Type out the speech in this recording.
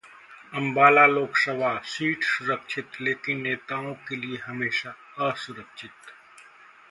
Ambala Lok Sabha: seat सुरक्षित, लेकिन नेताओं के लिए हमेशा 'असुरक्षित'